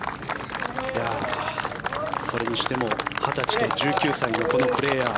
それにしても２０歳と１９歳のこのプレーヤー。